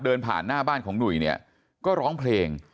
เดินผ่านหน้าบ้านของหนุ่ยเนี่ยก็ร้องเพลง